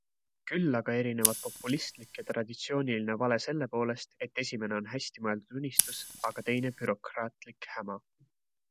Küll aga erinevad populistlik ja traditsiooniline vale sellepoolest, et esimene on hästi mõeldud unistus, aga teine bürokraatlik häma.